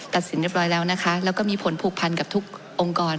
สินเรียบร้อยแล้วนะคะแล้วก็มีผลผูกพันกับทุกองค์กร